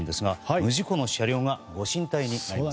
無事故の車両がご神体になります。